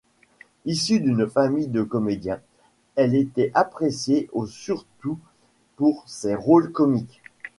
Issue d'une famille de comédiens, elle était appréciée au surtout pour ses rôles comiques.